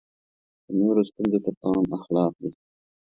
د نورو ستونزو ته پام اخلاق دی.